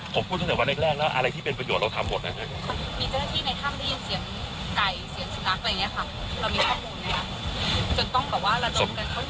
ผมพูดตั้งแต่วันแรกแล้วอะไรที่เป็นประโยชน์เราทำหมดนะครับ